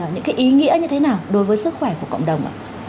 những ý nghĩa như thế nào đối với sức khỏe của cộng đồng